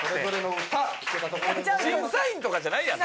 審査員とかじゃないやん。